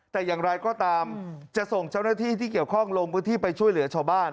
แต่อย่างไรก็ตามจะส่งเจ้าหน้าที่ที่เกี่ยวข้องลงพื้นที่ไปช่วยเหลือชาวบ้าน